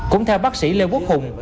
cũng theo bác sĩ lê quang